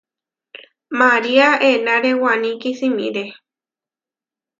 María enáre waní kisimiré.